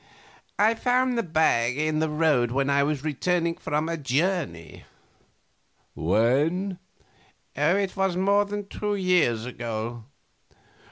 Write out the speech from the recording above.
A. I found the bag in the road when I was returning from a journey. Q. When? A. More than two years ago.